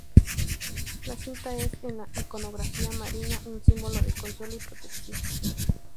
La cinta es, en la iconografía mariana, un símbolo de consuelo y protección.